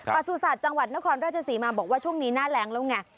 ประสุทธิ์จังหวัดนครราชศรีมาบอกว่าช่วงนี้หน้าแรงแล้วไง